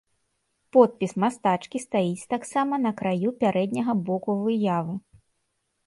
Подпіс мастачкі стаіць таксама на краю пярэдняга боку выявы.